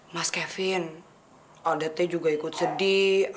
mas kevin alda t juga ikut sedih